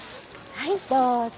はいどうぞ。